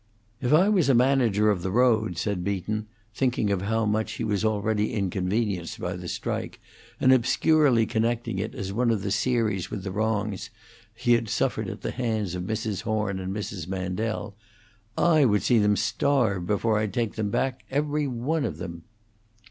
"If I was a manager of the roads," said Beaton, thinking of how much he was already inconvenienced by the strike, and obscurely connecting it as one of the series with the wrongs he had suffered at the hands of Mrs. Horn and Mrs. Mandel, "I would see them starve before I'd take them back every one of them."